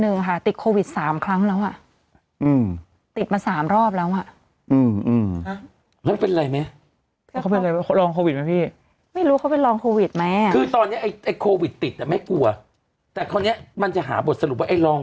เออมันทุกอย่างมันก็แบบย้อนหลังกลับไปอ่ะวันนี้มันต้องคุยไปข้างหน้าย้อนคุยไปข้างหลัง